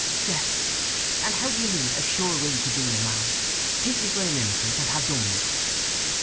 "Yes. And how do you mean—a sure way to gain a man? Take me for an innocent, and have done wi' it!"